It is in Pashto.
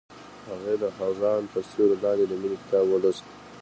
هغې د خزان تر سیوري لاندې د مینې کتاب ولوست.